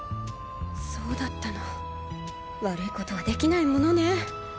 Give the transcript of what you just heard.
そうだったの悪いことはできないものね。